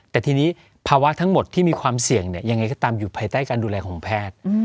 แต่ทีนี้ภาวะทั้งหมดที่มีความเสี่ยงเนี่ยยังไงก็ตามอยู่ภายใต้การดูแลของแพทย์